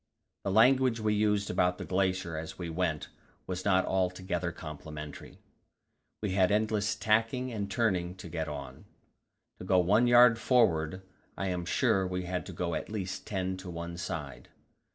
The language we used about the glacier as we went was not altogether complimentary; we had endless tacking and turning to get on. To go one yard forward, I am sure we had to go at least ten to one side.